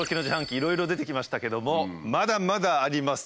いろいろ出てきましたけどもまだまだあります。